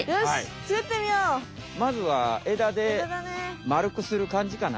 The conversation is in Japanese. まずは枝でまるくするかんじかな？